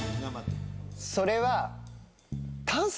それは。